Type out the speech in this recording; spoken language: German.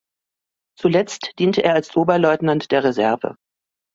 Zuletzt diente er als Oberleutnant der Reserve.